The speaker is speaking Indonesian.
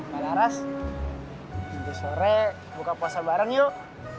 pak laras minta sore buka puasa bareng yuk